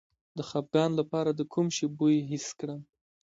د خپګان لپاره د کوم شي بوی حس کړم؟